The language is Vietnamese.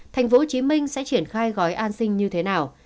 thành phố hồ chí minh sẽ triển khai gói an sinh như thế nào